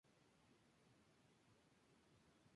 Alcanzó la graduación de mariscal.